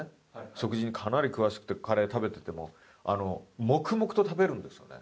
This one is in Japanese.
食事にかなり詳しくてカレー食べてても黙々と食べるんですよね。